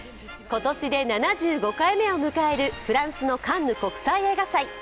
今年で７５回目を迎えるフランスのカンヌ国際映画祭。